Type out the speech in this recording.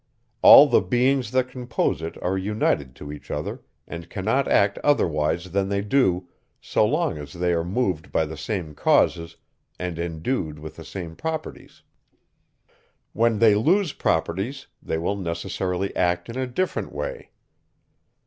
All the beings, that compose it, are united to each other, and cannot act otherwise than they do, so long as they are moved by the same causes, and endued with the same properties. When they lose properties, they will necessarily act in a different way.